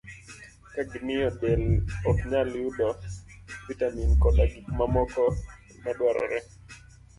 ka gimiyo del ok nyal yudo vitamin koda gik mamoko madwarore.